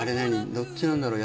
どっちなんだろう？